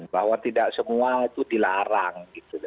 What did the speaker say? bahwa tidak semua itu dilarang